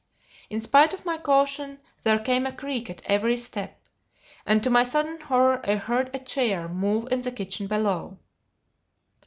In spite of my caution there came a creak at every step. And to my sudden horror I heard a chair move in the kitchen below.